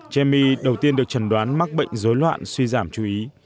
chemy đầu tiên được chẩn đoán mắc bệnh dối loạn suy giảm chú ý